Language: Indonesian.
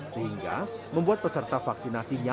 sehingga membuat peserta vaksinasinya lebih banyak